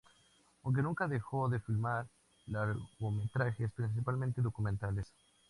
Aunque nunca dejó de filmar largometrajes, principalmente documentales.